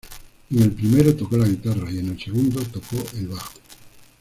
En el primero tocó la guitarra, y en el segundo tocó el bajo.